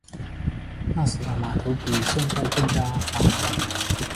那时的码头比现在更加繁忙。